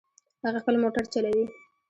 هغه خپل موټر چلوي